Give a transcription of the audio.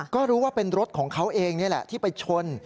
ก็รู้ว่าเป็นรถของเขาเองนี่แหละที่ไปชน